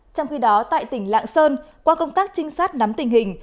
trong khi đó tại tỉnh lạng sơn qua công tác trinh sát nắm tình hình